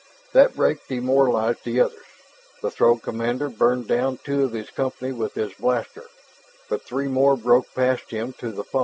That break demoralized the others. The Throg commander burned down two of his company with his blaster, but three more broke past him to the fog.